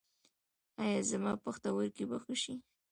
ایا زما پښتورګي به ښه شي؟